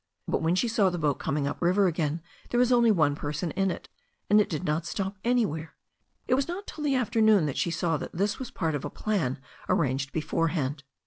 But when she saw the boat coming up the river again there was only one person in it, and it did not stop anywhere. It was not till the afternoon that she saw that this was part of a plan arranged beforehand.